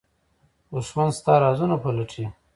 دښمن ستا رازونه پلټي